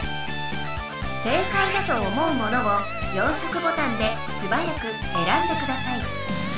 正解だと思うものを４色ボタンですばやくえらんでください。